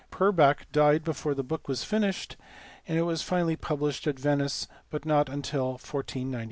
Pur bach died before the book was finished : it was finally published at Venice, but not till 1496.